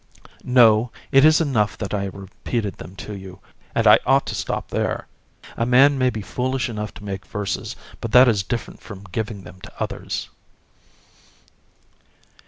VISC. No, it is enough that I have repeated them to you, and I ought to stop there. A man may be foolish enough to make verses, but that is different from giving them to others.